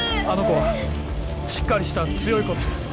あの子はしっかりした強い子です。